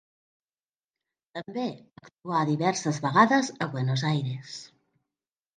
També actuà diverses vegades a Buenos Aires.